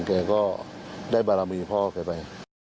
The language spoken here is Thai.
เขาก็ได้ปรมีพ่อเขาไป